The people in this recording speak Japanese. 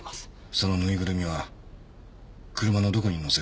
そのぬいぐるみは車のどこに乗せていた？